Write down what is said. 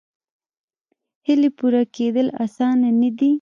هیلې پوره کېدل اسانه نه دي.